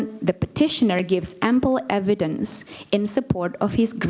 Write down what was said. saat petisianer memberikan bukti yang luas